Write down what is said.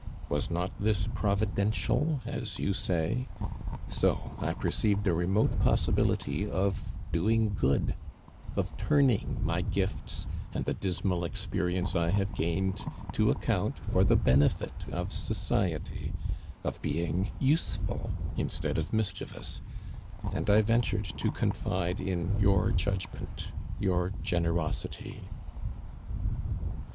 Was not this providential, as you say? So I perceived a remote possibility of doing good, of turning my gifts and the dismal experience I have gained to account for the benefit of society, of being useful instead of mischievous, and I ventured to confide in your judgment, your generosity."